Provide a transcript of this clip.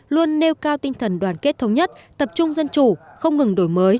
luôn nêu cao tinh thần đoàn kết thống nhất tập trung dân chủ không ngừng đổi mới